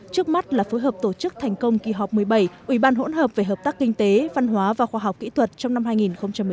trước mắt là phối hợp tổ chức thành công kỳ họp một mươi bảy ủy ban hỗn hợp về hợp tác kinh tế văn hóa và khoa học kỹ thuật trong năm hai nghìn một mươi chín